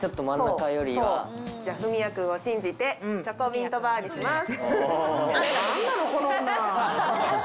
じゃあ文哉君を信じてチョコミントバーにします。